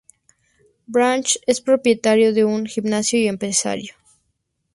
Branch es propietario de un gimnasio y empresario.